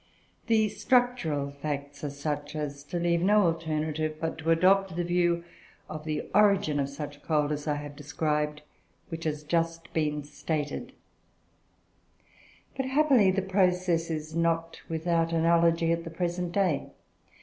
The structural facts are such as to leave no alternative but to adopt the view of the origin of such coal as I have described, which has just been stated; but, happily, the process is not without analogy at the present day.